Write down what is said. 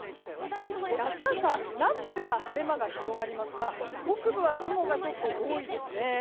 明日朝南部では晴れ間が広がりますが北部は雲が多いですね。